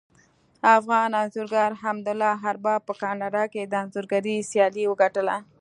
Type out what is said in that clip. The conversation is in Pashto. افغان انځورګر حمدالله ارباب په کاناډا کې د انځورګرۍ سیالي وګټله